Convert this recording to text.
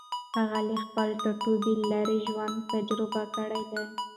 هغې له خپل ټاټوبي لېرې ژوند تجربه کړی دی.